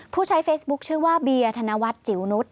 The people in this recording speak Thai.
ผู้ใช้เฟซบุ๊คชื่อว่าเบียร์ธนวัฒน์จิ๋วนุษย